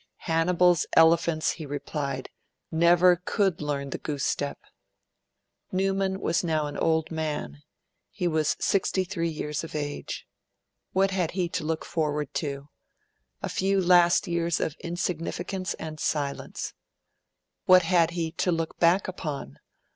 'Hannibal's elephants,' he replied, 'never could learn the goose step.' Newman was now an old man he was sixty three years of age. What had he to look forward to? A few last years of insignificance and silence. What had he to look back upon?